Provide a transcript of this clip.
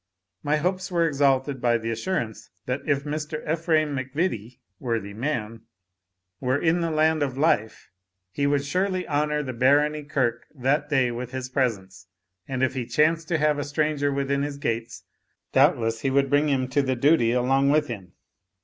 My hopes were exalted by the assurance, that if Mr. Ephraim MacVittie (worthy man) were in the land of life, he would surely honour the Barony Kirk that day with his presence; and if he chanced to have a stranger within his gates, doubtless he would bring him to the duty along with him.